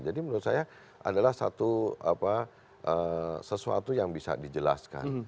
jadi menurut saya adalah satu sesuatu yang bisa dijelaskan